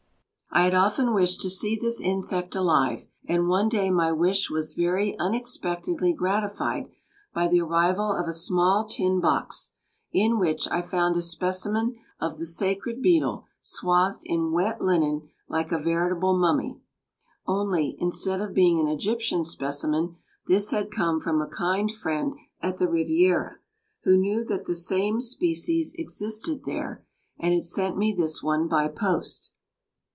] I had often wished to see this insect alive, and one day my wish was very unexpectedly gratified by the arrival of a small tin box in which I found a specimen of the sacred beetle swathed in wet linen like a veritable mummy, only, instead of being an Egyptian specimen, this had come from a kind friend at the Riviera, who knew that the same species existed there, and had sent me this one by post.